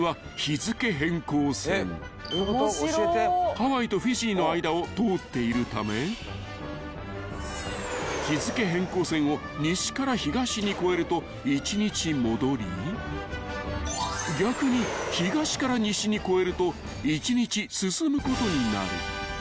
［ハワイとフィジーの間を通っているため日付変更線を西から東に越えると１日戻り逆に東から西に越えると１日進むことになる］